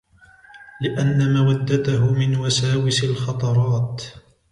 لِأَنَّ مَوَدَّتَهُ مِنْ وَسَاوِسِ الْخَطَرَاتِ